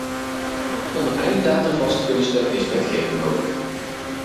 Om een einddatum vast te kunnen stellen, is wetgeving nodig.